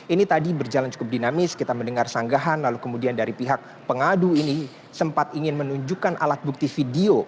ini tadi berjalan cukup dinamis kita mendengar sanggahan lalu kemudian dari pihak pengadu ini sempat ingin menunjukkan alat bukti video